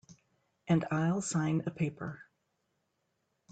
And I'll sign a paper.